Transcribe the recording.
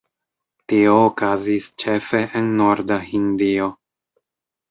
Tio okazis ĉefe en norda Hindio.